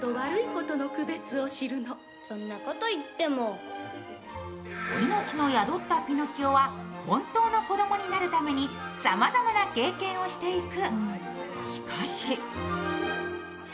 そして命の宿ったピノキオは本当の子供になるためにさまざまな経験をしていく。